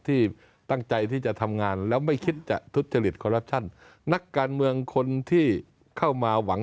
ที่ตั้งใจที่จะทำงานแล้วไม่คิดจะทุจริตคอรัปชั่นนักการเมืองคนที่เข้ามาหวัง